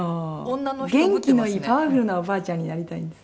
「元気のいいパワフルなおばあちゃんになりたいんです」